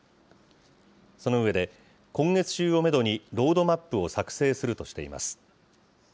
その上で、今月中をメドにロードマップを作成するとしています。